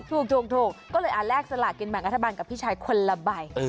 ถูกก็เลยเอามาแลกสลับกินแบบอัธบาลกับพี่ชายคนละใบ